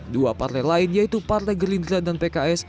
dua partai lain yaitu partai gerindra dan pks